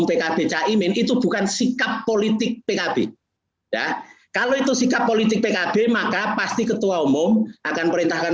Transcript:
pkb caimin itu bukan sikap politik pkb ya kalau itu sikap politik pkb maka pasti ketua umum akan perintahkan